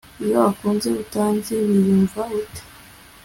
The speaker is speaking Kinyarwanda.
Iyo wankunze utanzi wiyumva ute